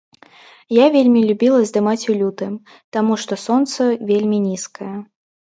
Я вельмі любіла здымаць у лютым, таму што сонца вельмі нізкае.